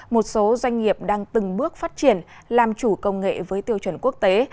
một số doanh nghiệp đang từng bước phát triển làm chủ công nghệ với tiêu chuẩn quốc tế